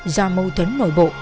do mâu thuẫn nổi bộ